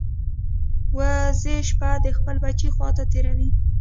وزې شپه د خپل بچي خوا ته تېروي